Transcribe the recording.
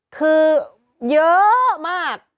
คือเยอะมาก